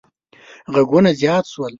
غږونه زیات شول.